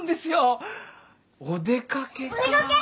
お出掛け？